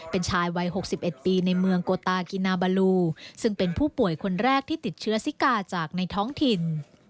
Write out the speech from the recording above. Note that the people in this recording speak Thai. เป็นชายวัย๖๑ปีในเมืองโกตากินาบาลูซึ่งเป็นผู้ป่วยคนแรกที่ติดเชื้อซิกาจากในท้องถิ่น